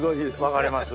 分かります。